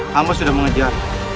hamba sudah mengejar